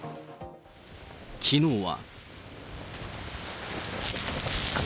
きのうは。